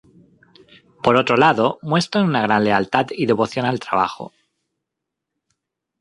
Por otro lado, muestra una gran lealtad y devoción al trabajo.